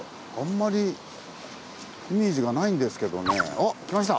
あっ来ました。